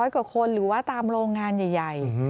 กว่าคนหรือว่าตามโรงงานใหญ่